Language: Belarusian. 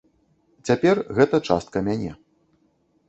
Цяпер гэта частка мяне.